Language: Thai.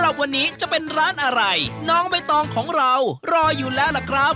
ใครอยากอิ่มจุกตั้งใจฟังกฎิกาให้ดีเลยค่ะ